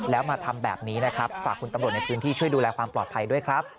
แล้วมาทำแบบนี้นะครับฝากคุณตำรวจในพื้นที่ช่วยดูแลความปลอดภัยด้วยครับ